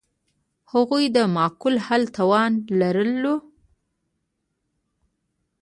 هغوی د معقول حل توان لرلو.